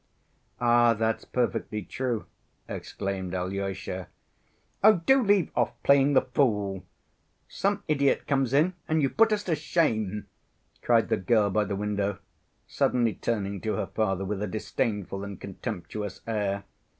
"Ah, that's perfectly true!" exclaimed Alyosha. "Oh, do leave off playing the fool! Some idiot comes in, and you put us to shame!" cried the girl by the window, suddenly turning to her father with a disdainful and contemptuous air.